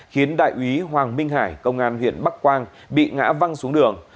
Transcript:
khiến đại úy hoàng minh hải công an huyện bắc quang bị ngã văng xuống đường